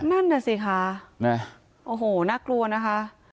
นั่นน่ะสิคะโอ้โหน่ากลัวนะคะ